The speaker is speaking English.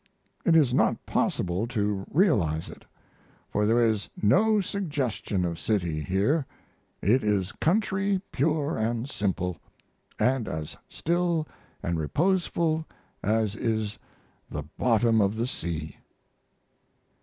It is not possible to realize it. For there is no suggestion of city here; it is country, pure & simple, & as still & reposeful as is the bottom of the sea.